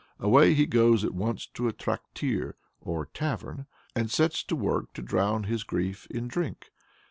Away he goes at once to a traktir, or tavern, and sets to work to drown his grief in drink.